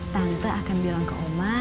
tante akan bilang ke oma